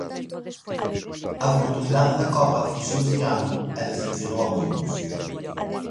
A oportunidade da Copa fuxiu este ano e decepcionou a moitos.